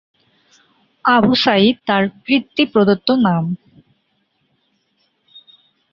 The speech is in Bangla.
আবু সাঈদ তাঁর পিতৃ প্রদত্ত নাম।